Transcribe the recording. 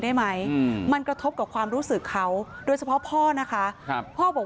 ได้ไหมมันกระทบกับความรู้สึกเขาโดยสำหรับพ่อนะคะพ่อบอก